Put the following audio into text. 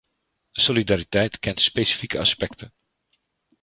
Solidariteit kent specifieke aspecten.